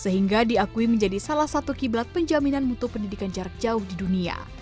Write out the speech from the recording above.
sehingga diakui menjadi salah satu kiblat penjaminan mutu pendidikan jarak jauh di dunia